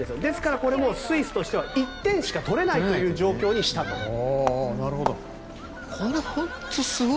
ですからスイスとしては１点しか取れないという状況にしたと。